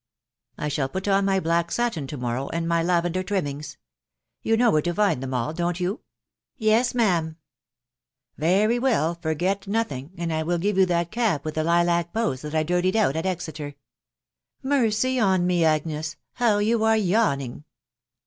I shall put on my black satin to morrow, and my lavender trimmings. ... You know where to find them all, don't you?" " Yes, ma'am." " Very well, forget nothing, and I will give you that cap with the lilac bows that I dirtied out at Exeter. ... Mercy on me, Agnes, how you are yawning